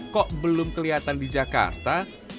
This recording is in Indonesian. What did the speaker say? kok belum kelihatan di jakarta